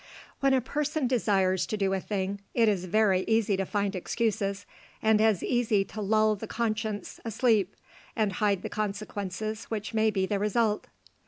When a person desires to do a thing, it is very easy to find excuses, and as easy to lull the conscience asleep, and hide the consequences which may be the result.